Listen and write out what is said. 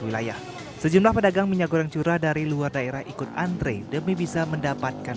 wilayah sejumlah pedagang minyak goreng curah dari luar daerah ikut antre demi bisa mendapatkan